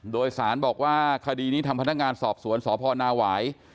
โดยสารบอกว่าคดีนี้ทำพนักงานสอบสวนสพนาหวาย